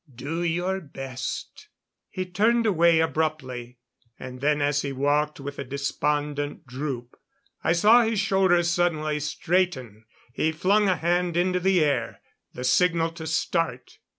"Do your best." He turned away abruptly. And then as he walked with a despondent droop, I saw his shoulders suddenly straighten. He flung a hand into the air. The signal to start!